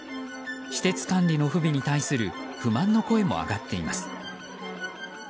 施設管理の不備に対する不満の声も上がっています。